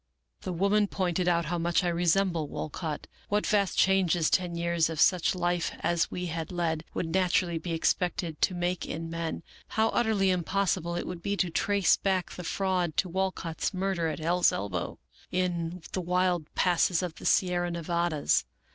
" The woman pointed out how much I resembled Walcott, what vast changes ten years of such life as we had led w^ould naturally be expected to make in men, how utterly impossible it would be to trace back the fraud to Walcott's murder at Hell's Elbow, in the wild passes of the Sierra Nevadas.